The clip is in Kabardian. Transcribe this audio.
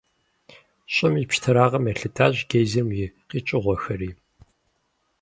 ЩӀым и пщтырагъым елъытащ гейзерым и къикӀыгъуэхэри.